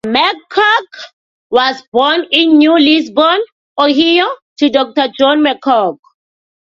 McCook was born in New Lisbon, Ohio, to Doctor John McCook.